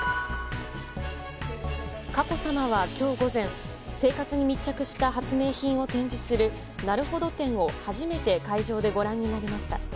佳子さまは今日午前生活に密着した発明品を展示するなるほど展を初めて会場でご覧になりました。